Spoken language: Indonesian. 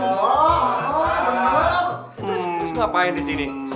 masa sih bob